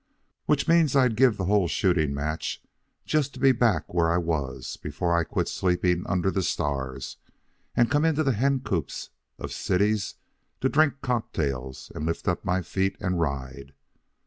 Which means I'd give the whole shooting match just to be back where I was before I quit sleeping under the stars and come into the hen coops of cities to drink cocktails and lift up my feet and ride.